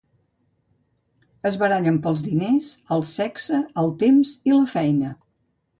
Es barallen pels diners, el sexe, el temps i la feina...